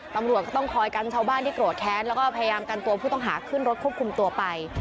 ตำรวจก็ต้องคอยกันชาวบ้านที่โกรธแค้นแล้วก็พยายามกันตัวผู้ต้องหาขึ้นรถควบคุมตัวไป